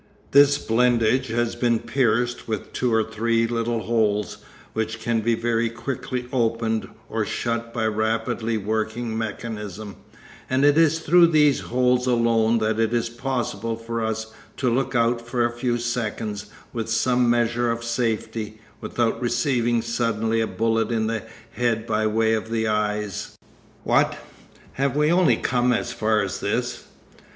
This blindage has been pierced with two or three little holes, which can be very quickly opened or shut by rapidly working mechanism, and it is through these holes alone that it is possible for us to look out for a few seconds with some measure of safety, without receiving suddenly a bullet in the head by way of the eyes. What, have we only come as far as this?